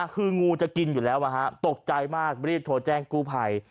คืองูจะกินอยู่แล้วตกใจมากรีบโทรแจ้งกู้ภัย